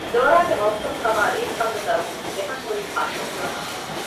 ޒޯރާގެ މައުސޫމު ކަމާ ރީތި ކަމުގެ ސަބަބުން ޒެފަން ހުރީ އާޝޯޙު ވެފަ